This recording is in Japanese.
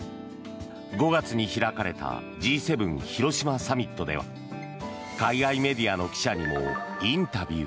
５月に開かれたＧ７広島サミットでは海外メディアの記者にもインタビュー。